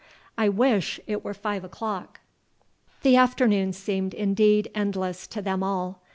I wish it were five o'clock!" The afternoon seemed indeed endless to them all.